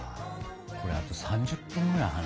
これあと３０分ぐらい話せるね。